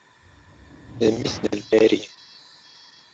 D mmi-s n Paris.